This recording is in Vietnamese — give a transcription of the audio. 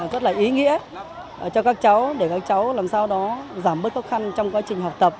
rất là ý nghĩa cho các cháu để các cháu làm sao đó giảm bớt khó khăn trong quá trình học tập